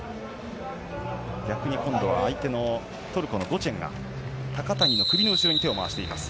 逆に相手のトルコのゴチェンが高谷の首の後ろに手をまわしています。